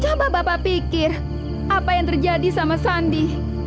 coba bapak pikir apa yang terjadi sama sandi